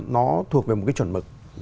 nó thuộc về một chuẩn mực